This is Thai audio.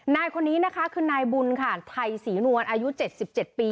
นายคนนี้นะคะคือนายบุญค่ะไทยศรีนวลอายุ๗๗ปี